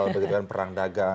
begitu dengan perang dagang